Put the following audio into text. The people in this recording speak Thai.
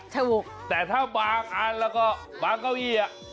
ถูกแต่ถ้าบางอันแล้วก็บางเก้าอี้อ่ะ